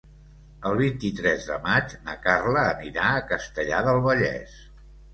El vint-i-tres de maig na Carla anirà a Castellar del Vallès.